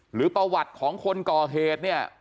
หรือประวัติของคนก่อเหตุเนี่ย